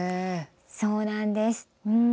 そうなんです。